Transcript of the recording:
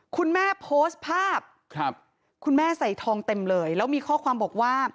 คุณแม่โพสต์ภาพคุณแม่ใส่ทองเต็มเลยแล้วมีข้อความบอกว่า